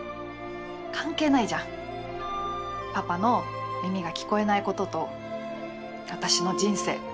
関係ないじゃんパパの耳が聞こえないことと私の人生。